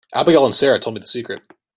Abigail and Sara told me the secret.